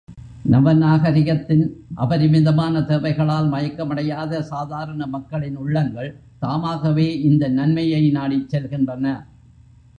நவ நாகரிகத்தின் அபரிமிதமான தேவைகளால் மயக்கமடையாத சாதாரண மக்களின் உள்ளங்கள் தாமாகவே இந்த நன்மையை நாடிச் செல்கின்றன.